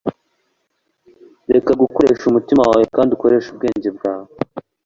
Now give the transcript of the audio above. reka gukoresha umutima wawe kandi ukoreshe ubwenge bwawe